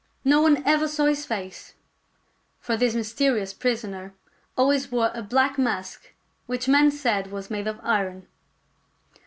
No one ever saw his face ; for this mysterious prisoner always wore a black mask which men said was made of iron.